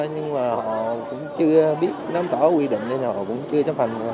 nhưng mà họ cũng chưa biết nắm rõ quy định họ cũng chưa chấp hành